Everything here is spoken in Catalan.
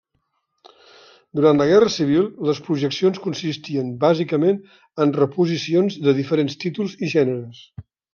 Durant la Guerra Civil les projeccions consistien bàsicament en reposicions de diferents títols i gèneres.